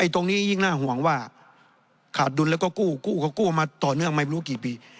ยิ่งน่าห่วงว่าขาดดุลแล้วก็กู้ก็กู้มาต่อเนื่องไม่รู้กี่ปี